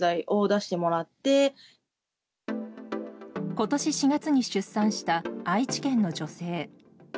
今月４月に出産した愛知県の女性。